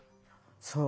そう。